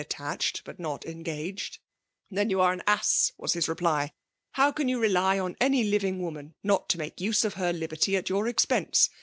attached^ but not ia^aged. —' llien you aie all aa9>' waa hia zeply. ' Hour can you rely on any liviaj; woman not to make use of her liberty at your oa^ense